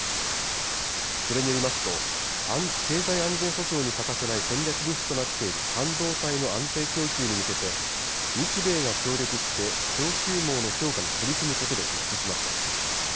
それによりますと、経済安全保障に欠かせない戦略物資となっている半導体の安定供給に向けて、日米が協力して供給網の強化に取り組むことで一致しました。